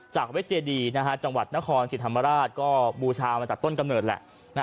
เจดีจังหวัดนครศรีธรรมราชก็บูชามาจากต้นกำเนิดแหละ